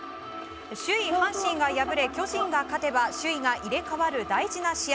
首位、阪神が敗れ巨人が勝てば首位が入れ替わる大事な試合。